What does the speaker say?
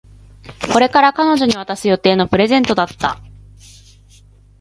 これから彼女に渡す予定のプレゼントだった